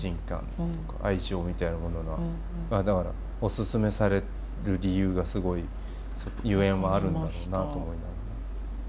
だからおすすめされる理由がすごいゆえんはあるんだろうなと。